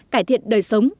cải thiện đời sống